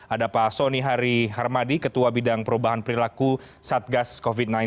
ada pak soni hari harmadi ketua bidang perubahan perilaku satgas covid sembilan belas